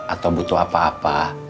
atau butuh apa apa